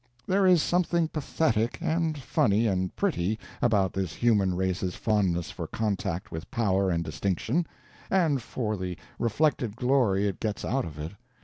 There is something pathetic, and funny, and pretty, about this human race's fondness for contact with power and distinction, and for the reflected glory it gets out of it.